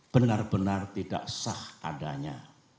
benar benar tidak sah adanya